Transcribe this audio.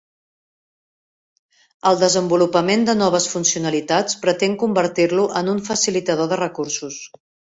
El desenvolupament de noves funcionalitats pretén convertir-lo en un facilitador de recursos.